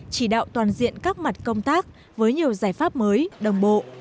chỉ đạo toàn diện các mặt công tác với nhiều giải pháp mới đồng bộ